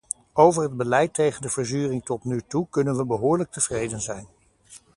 Over het beleid tegen de verzuring tot nu toe kunnen we behoorlijk tevreden zijn.